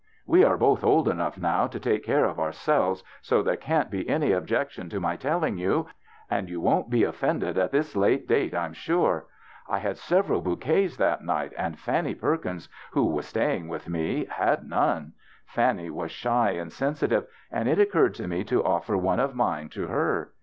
We are both old enough now to take care of 48 THE BACHELOR'S CHRISTMAS ourselves, so there can't be any objection to my telling you, and— and you won't be of fended at tliis late day, I'm sure. I had sev eral bouquets that night, and Fannie Perkins, who was staying with me, had none. Fan nie was shy and sensitive, and it occurred to me to offer one of mine to her.